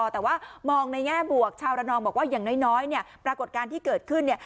แต่ว่ามองในแง่บวกชาวระนองบอกว่าอย่างน้อยเนี่ยปรากฏการณ์ที่เกิดขึ้นเนี่ย